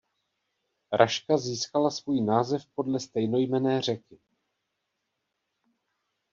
Raška získala svůj název podle stejnojmenné řeky.